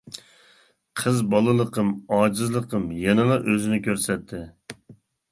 قىز بالىلىقىم، ئاجىزلىقىم يەنىلا ئۆزىنى كۆرسەتتى.